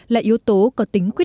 là yếu tố có tính quyết